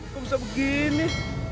kok bisa begini